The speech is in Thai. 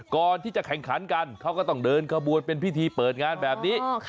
ก่อนที่จะแข่งขันกันเขาก็ต้องเดินขบวนเป็นพิธีเปิดงานแบบนี้